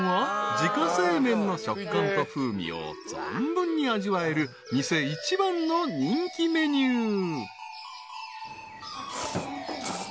［自家製麺の食感と風味を存分に味わえる店一番の人気メニュー］